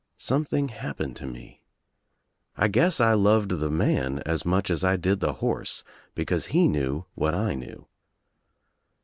Something hap pened to me. I guess I loved the man as much as I did the horse because he knew what I knew.